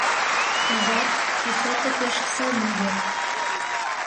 — Ужат, кӱсото пеш сылне вет.